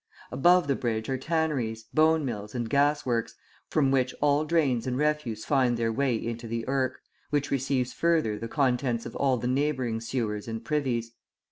Above the bridge are tanneries, bonemills, and gasworks, from which all drains and refuse find their way into the Irk, which receives further the contents of all the neighbouring sewers and privies.